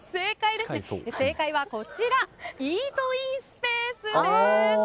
正解はイートインスペースです。